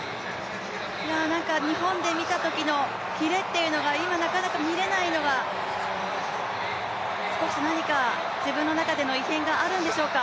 日本で見たときのキレっていうのが今、なかなか見れないのは少し何か自分の中での異変があるんでしょうか。